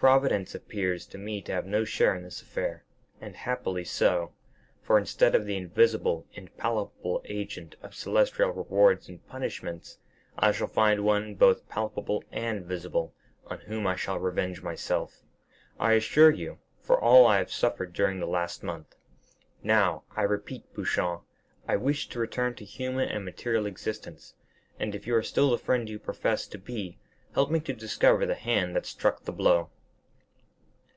Providence appears to me to have no share in this affair; and happily so, for instead of the invisible, impalpable agent of celestial rewards and punishments, I shall find one both palpable and visible, on whom I shall revenge myself, I assure you, for all I have suffered during the last month. Now, I repeat, Beauchamp, I wish to return to human and material existence, and if you are still the friend you profess to be, help me to discover the hand that struck the blow."